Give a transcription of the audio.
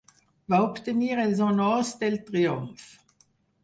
Va obtenir els honors del triomf.